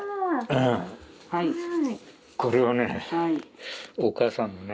これをねお母さんにね。